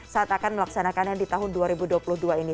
saat akan melaksanakannya di tahun dua ribu dua puluh dua ini